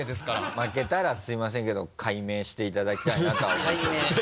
負けたらすいませんけど改名していただきたいなとは思ってますよ。